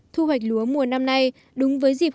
thu hoạch lúa mùa năm nay đúng với dịp